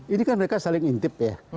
ini kan mereka saling intip ya